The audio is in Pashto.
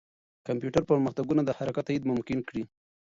کمپیوټر پرمختګونه د حرکت تایید ممکن کړي.